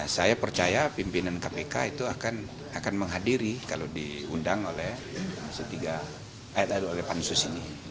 saya percaya pimpinan kpk itu akan menghadiri kalau diundang oleh pansus ini